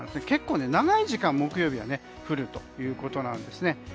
結構長い時間、木曜日は降るということです。